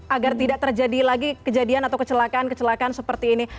agar tidak terjadi lagi kejadian atau kecelakaan kecelakaan seperti ini